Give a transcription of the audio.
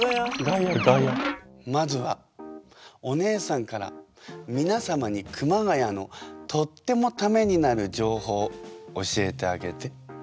まずはお姉さんからみなさまに熊谷のとってもタメになる情報教えてあげて。